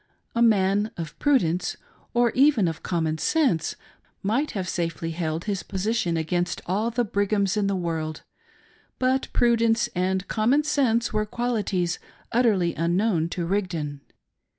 A man of prudence, or even of common sense, might have safely held his position against all the Brighams in the world, but prud ence and common sense were qualities utterly unknoVvn to Rigdon.